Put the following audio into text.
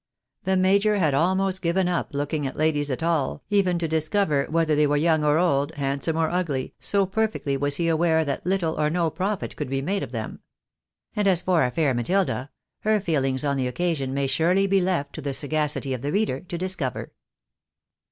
The major had almost given up looking at ladies at all, even to discover whether they were young or old, handsome or ugly, so perfectly was he aware that little or no profit could be made of them. And as for our fair Matilda, her feelings on the occasion, may surely be left to the sagacity of the reader to discover.